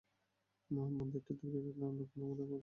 মন্দিরটি দুর্গের ভেতর লক্ষ্মীনারায়ণ পুকুরের পাড়ে অবস্থিত।